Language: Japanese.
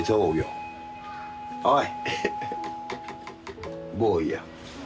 おい。